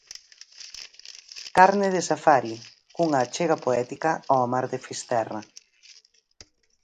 "Carne de safari" cunha achega poética ao mar de Fisterra.